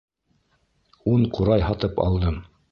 Ун ҡурай һатып алдым.